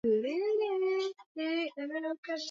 kwa sababu matone ya mvua kama yanafika mtoni yote